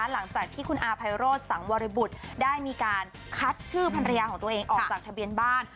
หลังจากที่คุณอาภัยโรธสังวริบุตรได้มีการคัดชื่อภรรยาของตัวเองออกจากทะเบียนบ้าน